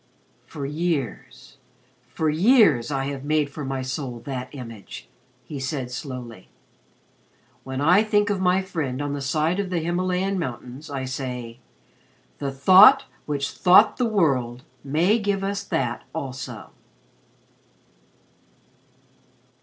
"For years for years I have made for my soul that image," he said slowly. "When I think of my friend on the side of the Himalayan Mountains, I say, 'The Thought which Thought the World may give us that also!'"